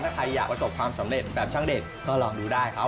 ถ้าใครอยากประสบความสำเร็จแบบช่างเด็กก็ลองดูได้ครับ